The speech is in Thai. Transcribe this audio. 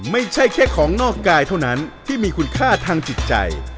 ไม่ใช่แค่ของนอกกายเท่านั้นที่มีคุณค่าทางจิตใจ